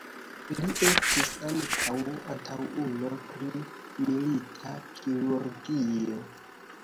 Li estis ankaŭ antaŭulo pri milita kirurgio.